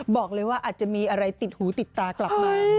บอกเลยว่าอาจจะมีอะไรติดหูติดตากลับมา